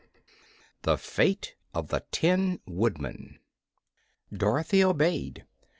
The Fate of the Tin Woodman Dorothy obeyed.